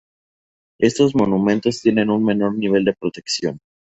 Estos monumentos tienen un menor nivel de protección.